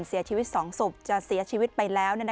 เสียชีวิต๒ศพจะเสียชีวิตไปแล้ว